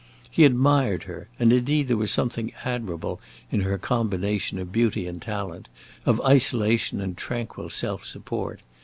He admired her, and indeed there was something admirable in her combination of beauty and talent, of isolation and tranquil self support.